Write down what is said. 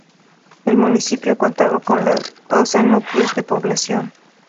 El municipio contaba con doce núcleos de población.